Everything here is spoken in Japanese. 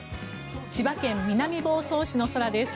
千葉県南房総市の空です。